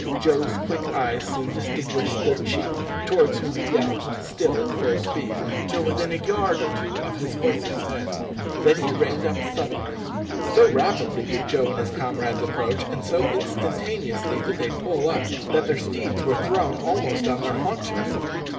Joe's quick eye soon distinguished their chief, towards whom he galloped, still at full speed, till within a yard or two of his horse's head; then he reined up suddenly. So rapidly did Joe and his comrades approach, and so instantaneously did they pull up, that their steeds were thrown almost on their haunches.